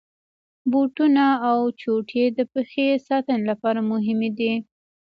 بوټونه او چوټي د پښې ساتني لپاره مهمي دي.